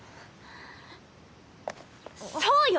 そうよ！